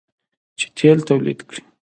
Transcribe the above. چې تیل تولید کړي.